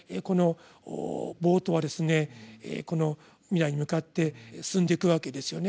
このボートは未来に向かって進んでいくわけですよね。